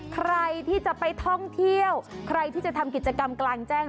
ใครที่จะไปท่องเที่ยวใครที่จะทำกิจกรรมกลางแจ้ง